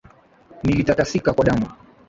Nalitakasika kwa damu,